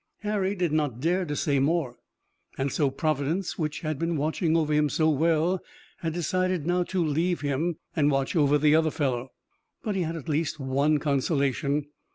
Harry did not dare to say more. And so Providence, which had been watching over him so well, had decided now to leave him and watch over the other fellow. But he had at least one consolation.